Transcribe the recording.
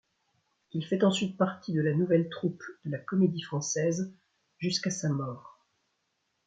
Il fait ensuite partie de la nouvelle troupe de la Comédie-Française jusqu'à sa mort.